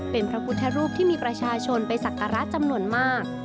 เป็นพระพุทธรูปที่มีประชาชนไปสักการะจำนวนมาก